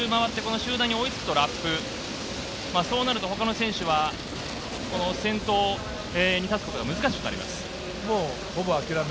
この２人が見えて一周回ってこの集団に追いつくトラップ、そうなると他の選手はこの先頭に立つことが難しくなります。